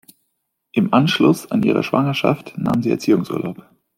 Im Anschluss an ihre Schwangerschaft nahm sie Erziehungsurlaub.